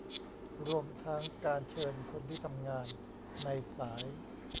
รวมทั้งการเชิญคนที่ทำงานในสาย